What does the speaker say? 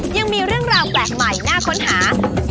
ยังมีเรื่องราวแปลกใหม่น่าค้นหา